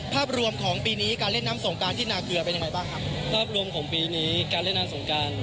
ภาพรวมของปีนี้การเล่นน้ำสงการที่นาเกลือเป็นยังไงบ้างครับภาพรวมของปีนี้การเล่นน้ำสงการ